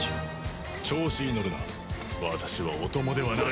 調子にのるな私はお供ではない！